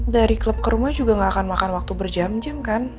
dari klub ke rumah juga nggak akan makan waktu berjam jam kan